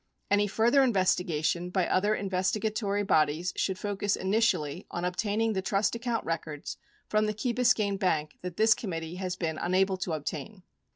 Any further investigation by other investigatory bodies should focus initially on obtaining the trust account records from the Key Biscayne Bank that this committee has been unable to obtain.